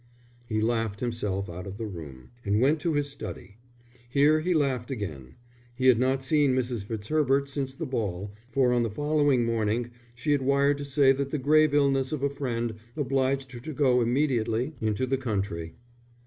He laughed himself out of the room, and went to his study. Here he laughed again. He had not seen Mrs. Fitzherbert since the ball, for on the following morning she had wired to say that the grave illness of a friend obliged her to go immediately into the country.